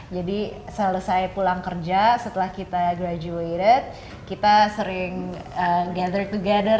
jadi selesai pulang kerja setelah kita graduated kita sering gather together